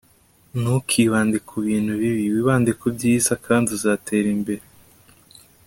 ntukibande ku bintu bibi; wibande ku byiza, kandi uzatera imbere